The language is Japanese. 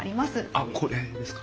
あっこれですか？